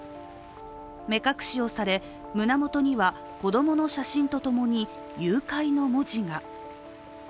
目隠しをされ、胸元には子供の写真とともに誘拐の文字が。